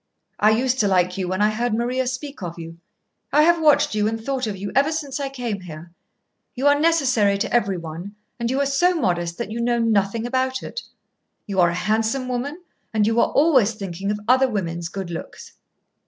I used to like you when I heard Maria speak of you. I have watched you and thought of you ever since I came here. You are necessary to every one, and you are so modest that you know nothing about it. You are a handsome woman, and you are always thinking of other women's good looks."